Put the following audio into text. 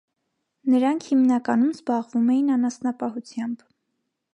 Նրանք հիմնականում զբաղվում էին անասնապահությամբ։